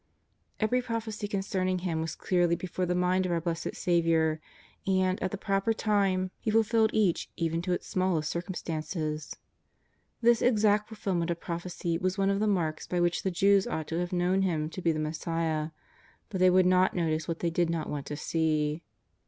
Every prophecy concerning Him was clearly before the mind of our Blessed Saviour, and, at the proper time. He fulfilled each even to its smallest circumstances. This exact fulfilment of prophecy was one of the marks by which the Jews ought to have kno's^Ti Him to be the Messiah, but they would not notice what they did not want to see.